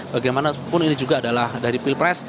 bagaimanapun ini juga adalah dari pilpres